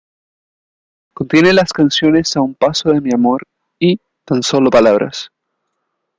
Contiene las canciones "A un paso de mi amor" y "Tan solo palabras".